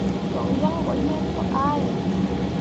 Cok yan bo yiŋ pu ʼahe.